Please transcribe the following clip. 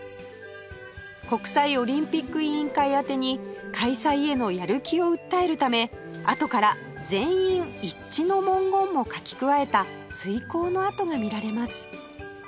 国際オリンピック委員会宛てに開催へのやる気を訴えるためあとから「全員一致」の文言も書き加えた推敲の跡が見られます